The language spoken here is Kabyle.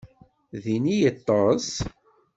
Din i yeṭṭes?